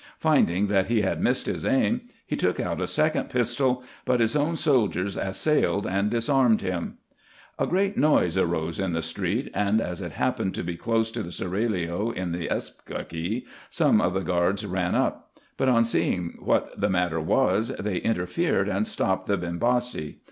Finding that he had missed his aim, he took out a second pistol ; but his own soldiers assailed and disarmed him. A great noise arose in the street, and, as it happened to be close to the seraglio in the Esbakie, some of the guards ran up ; but on seeing what the matter was, they interfered and stopped the Bin basi.